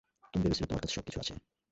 তুমি ভেবেছিলে তোমার কাছে সবকিছু আছে।